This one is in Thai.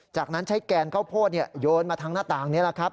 จากนั้นใช้แกนข้าวโพดโยนมาทางหน้าต่างนี่แหละครับ